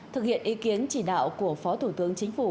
thực hiện ý kiến chỉ đạo của phó thủ tướng chính phủ